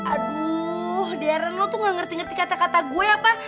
aduuh darren lo tuh gak ngerti ngerti kata kata gue apa